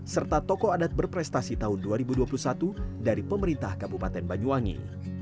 serta tokoh adat berprestasi tahun dua ribu dua puluh satu dari pemerintah kabupaten banyuwangi